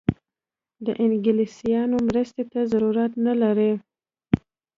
د انګلیسیانو مرستې ته ضرورت نه لري.